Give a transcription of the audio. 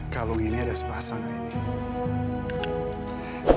kalung ini ada sepasang ini